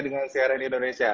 dengan crn indonesia